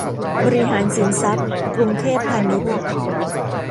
บริหารสินทรัพย์ กรุงเทพพาณิชย์